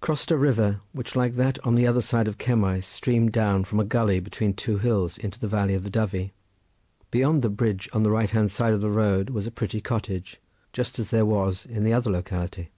Crossed a river, which, like that on the other side of Cemmaes, streamed down from a gully between two hills into the valley of the Dyfi. Beyond the bridge on the right hand side of the road was a pretty cottage, just as there was in the other locality.